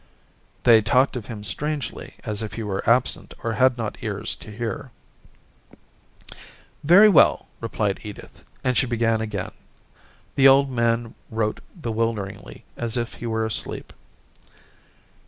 They talked of him strangely, as if he were absent or had not ears to hear. * Very well,' replied Edith, and she began again ; the old man wrote bewilderedly, as if he were asleep.